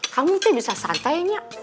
kamu tuh bisa santainya